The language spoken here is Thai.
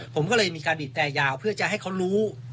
ผมก็เลยมีการบีบแต่ยาวเพื่อจะให้เขารู้